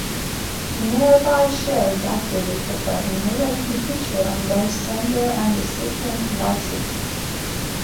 Nearby Share is activated by enabling the feature on both sender and recipient devices.